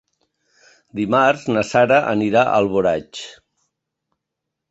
Dimarts na Sara anirà a Alboraig.